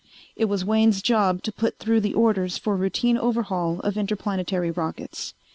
It was Wayne's job to put through the orders for routine overhaul of interplanetary rockets.